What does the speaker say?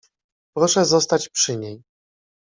"Proszę zostać przy niej!"